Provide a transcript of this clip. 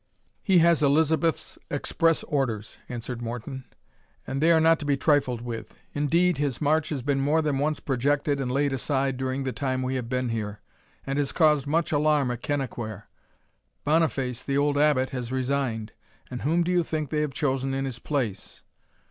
"He has Elizabeth's express orders," answered Morton, "and they are not to be trifled with. Indeed, his march has been more than once projected and laid aside during the time we have been here, and has caused much alarm at Kennaquhair. Boniface, the old Abbot, has resigned, and whom think you they have chosen in his place?"